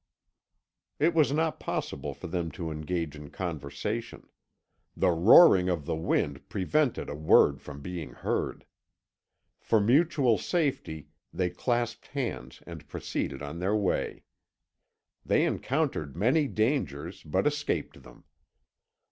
It was not possible for them to engage in conversation. The roaring of the wind prevented a word from being heard. For mutual safety they clasped hands and proceeded on their way. They encountered many dangers, but escaped them.